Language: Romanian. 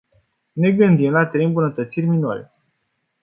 Ne gândim la trei îmbunătățiri minore.